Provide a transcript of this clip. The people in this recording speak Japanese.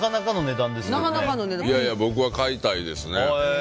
いやいや、僕は買いたいですね。